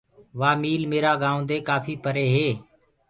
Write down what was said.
وآ ميٚل ميرآ گائونٚ دي ڪآڦي پري هي۔